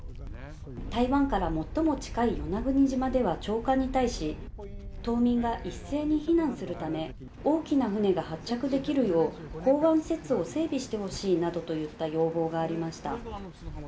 台湾から最も近い与那国島では長官に対し、島民が一斉に避難するため、大きな船が発着できるよう、港湾施設を整備してほしいなどといった要望がありました。